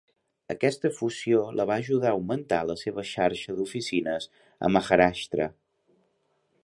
Aquesta fusió la va ajudar a augmentar la seva xarxa d'oficines a Maharashtra.